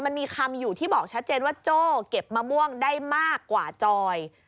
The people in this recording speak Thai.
มันมีคำอยู่ที่บอกชัดเจนว่าโจ้เก็บมะม่วงได้มากกว่าจอย